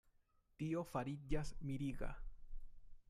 Tio fariĝas miriga.